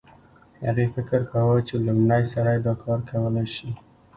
هغې فکر کاوه چې لوی سړی دا کار کولی شي